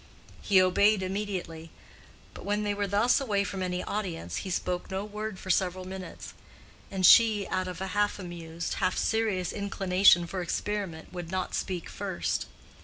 He obeyed immediately; but when they were thus away from any audience, he spoke no word for several minutes, and she, out of a half amused, half serious inclination for experiment, would not speak first.